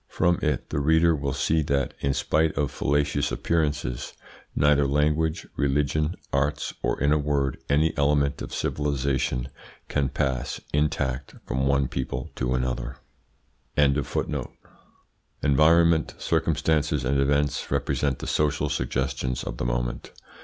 From it the reader will see that, in spite of fallacious appearances, neither language, religion, arts, or, in a word, any element of civilisation, can pass, intact, from one people to another. Environment, circumstances, and events represent the social suggestions of the moment.